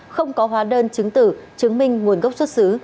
không có hóa đơn chứng tử chứng minh nguồn gốc xuất xứ